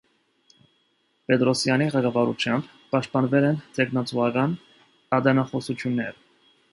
Պետրոսյանի ղեկավարությամբ պաշտպանվել են թեկնածուական ատենախոսություններ։